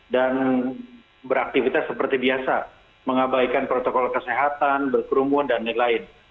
dan beraktivitas seperti biasa mengabaikan protokol kesehatan berkerumun dan lain lain